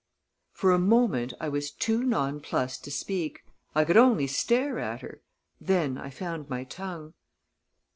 For a moment, I was too nonplused to speak; I could only stare at her. Then I found my tongue.